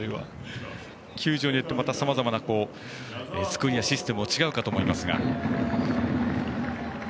球場によってさまざまな造りやシステムも違うかと思いますが。